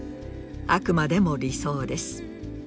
あくまでも理想です。